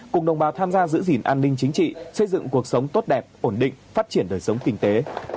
cùng đồng bào tham gia giữ gìn an ninh chính trị xây dựng cuộc sống tốt đẹp ổn định phát triển đời sống kinh tế